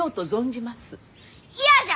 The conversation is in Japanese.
嫌じゃ！